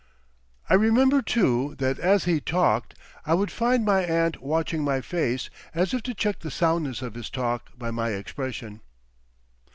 I remember, too, that as he talked I would find my aunt watching my face as if to check the soundness of his talk by my expression.